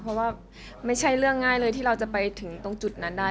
เพราะว่าไม่ใช่เรื่องง่ายเลยที่เราจะไปถึงตรงจุดนั้นได้